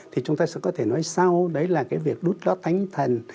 thì chúng ta sẽ có thể nói sau đấy là cái việc đút lót tánh thần